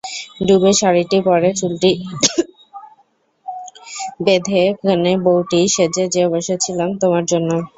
ডুবে শাড়িটি পরে, চুলটি বেঁধে কনেবৌটি সেজে যে বসেছিলাম তোমার জন্যে?